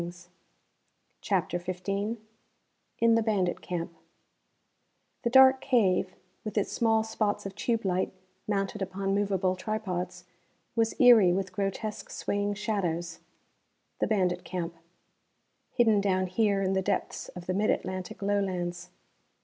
_] CHAPTER XV In the Bandit Camp The dark cave, with its small spots of tube light mounted upon movable tripods, was eery with grotesque swaying shadows. The bandit camp. Hidden down here in the depths of the Mid Atlantic Lowlands.